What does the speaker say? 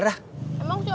emang siapa yang mau bayar